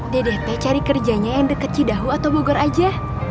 dede teh cari kerjanya yang deket cidahu atau bogor aja